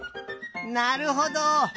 なるほど！